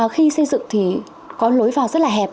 khi xây dựng thì có lối vào rất là hẹp